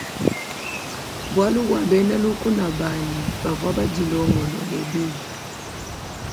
Bualu bua bena lukuna banyi bavua badilongolole bimpe.